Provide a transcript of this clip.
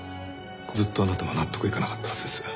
ずっとあなたは納得いかなかったはずです。